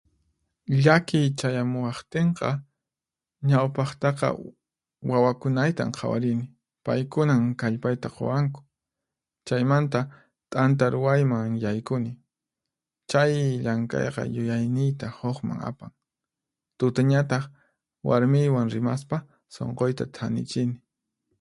Llakiy chayamuwaqtinqa, ñawpaqtaqa wawakunaytan qhawarini, paykunan kallpayta quwanku. Chaymanta, t'anta ruwayman yaykuni, chay llank'ayqa yuyayniyta huqman apan. Tutañataq, warmiywan rimaspa sunquyta thanichini.